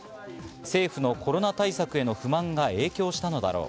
政府のコロナ対策への不満が影響したのだろう。